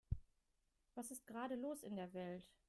Was ist gerade los in der Welt?